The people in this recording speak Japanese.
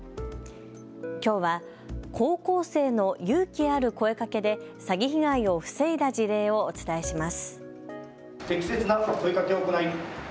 きょうは高校生の勇気ある声かけで詐欺被害を防いだ事例をお伝えします。